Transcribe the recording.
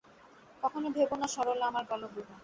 কখনো ভেবো না সরলা আমার গলগ্রহ।